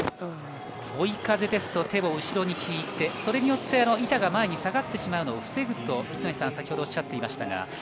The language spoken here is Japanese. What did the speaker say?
追い風ですと、手を後ろに引いて、それによって板が前に下がってしまうのを防ぐと、一戸さんも先ほどおっしゃっていました。